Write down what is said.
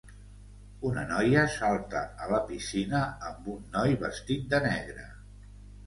Una noia salta a la piscina amb un noi vestit de negre.